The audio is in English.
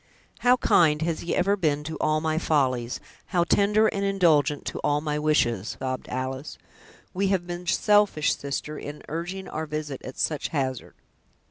"How kind has he ever been to all my follies, how tender and indulgent to all my wishes!" sobbed Alice. "We have been selfish, sister, in urging our visit at such hazard."